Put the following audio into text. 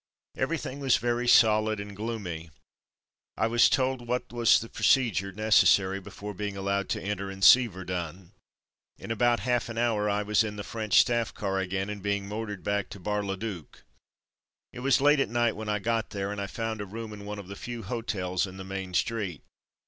Everything was very solid and gloomy. I was told what was the procedure neces sary before being allowed to enter and see Verdun. In about half an hour I was in the French staff car again, and being motored back to Bar le duc. It was late at night when I got there, and I found a room in one of the few hotels in the main street.